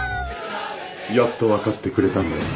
やっと分かってくれたんだね。